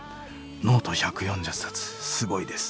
「ノート１４０冊すごいです」。